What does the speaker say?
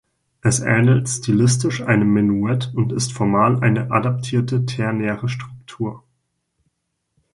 Es ähnelt stilistisch einem Menuett und ist formal eine adaptierte ternäre Struktur.